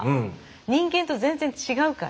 人間と全然違うから。